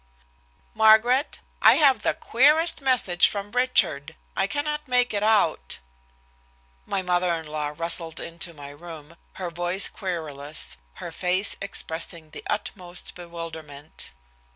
"Margaret, I have the queerest message from Richard. I cannot make it out." My mother in law rustled into my room, her voice querulous, her face expressing the utmost bewilderment.